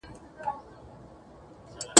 چا یوه او چا بل لوري ته ځغستله !.